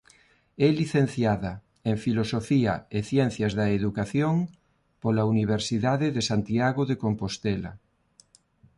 É licenciada en Filosofía e Ciencias da Educación pola Universidade de Santiago de Compostela.